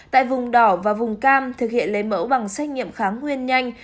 tại vùng đỏ và vùng cam thực hiện lấy mẫu bằng xét nghiệm kháng nguyên nhanh